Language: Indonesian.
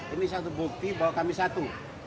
ini satu bukti bahwa kami satu